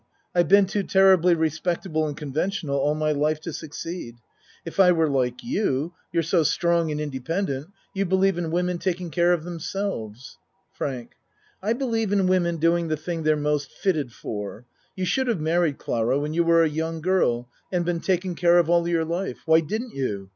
I've been too terribly respectable and conventional all my life to succeed. If I were like you you're so strong and independ ent you believe in women taking care of them selves. FRANK I believe in women doing the thing they're most fitted for. You should have married, Clara, when you were a young girl and been tak en care of all your life. Why didn't you?